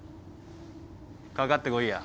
かかってこいや。